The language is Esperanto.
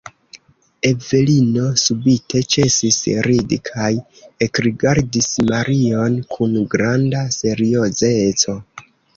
Evelino subite ĉesis ridi kaj ekrigardis Marion kun granda seriozeco.